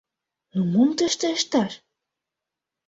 Ну, мом тыште ышташ?